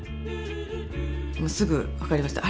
すぐ分かりました。